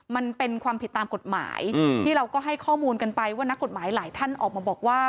มันเป็นความผิดตามกฎหมายที่เราก็ให้ข้อมูลกันไปว่านักกฎหมายหลายท่านออกมาบอกว่า